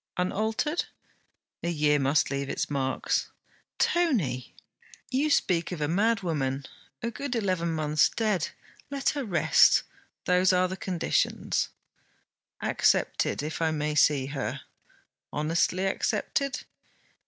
'Unaltered?' 'A year must leave its marks.' 'Tony!' 'You speak of a madwoman, a good eleven months dead. Let her rest. Those are the conditions.' 'Accepted, if I may see her.' 'Honestly accepted?'